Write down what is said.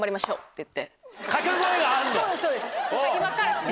って言って。